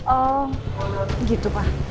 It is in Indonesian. oh gitu pak